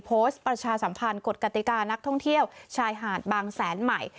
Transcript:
ประชาสัมพันธ์กฎกติกานักท่องเที่ยวชายหาดบางแสนใหม่